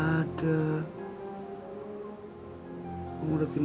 ada manusia nanti